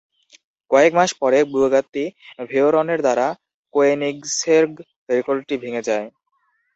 কয়েক মাস পরে বুগাত্তি ভেয়রনের দ্বারা কোয়েনিগসেগ রেকর্ডটি ভেঙ্গে যায়।